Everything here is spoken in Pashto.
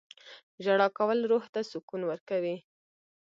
• ژړا کول روح ته سکون ورکوي.